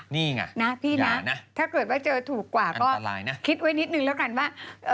นี่ไงนะพี่นะถ้าเกิดว่าเจอถูกกว่าก็คิดไว้นิดนึงแล้วกันว่า